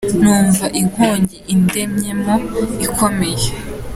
Numva inkongi indemyemo ikomeye